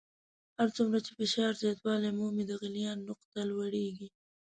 هر څومره چې فشار زیاتوالی مومي د غلیان نقطه لوړیږي.